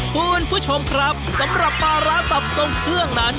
คุณผู้ชมครับสำหรับปลาร้าสับทรงเครื่องนั้น